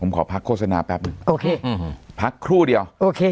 ผมขอพักโฆษณาแป๊บหนึ่งโอเคอืมพักครู่เดียวโอเค